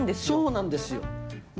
そうなんですよ。